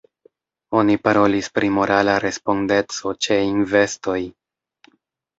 Oni parolis pri morala respondeco ĉe investoj.